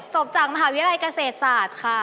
จบจากมหาวิทยาลัยเกษตรศาสตร์ค่ะ